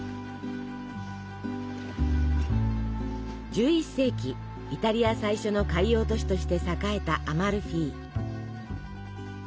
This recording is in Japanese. １１世紀イタリア最初の海洋都市として栄えたアマルフィ。